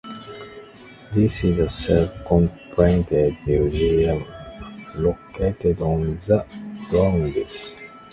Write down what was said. This is a self-contained museum located on the grounds.